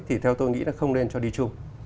thì theo tôi nghĩ là không nên cho đi chung